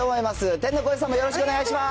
天の声さんもよろしくお願いします。